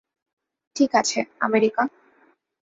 ঠিক আছে, আমেরিকা।